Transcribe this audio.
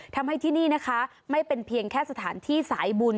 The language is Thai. ทำให้ที่นี่นะคะไม่เป็นเพียงแค่สถานที่สายบุญ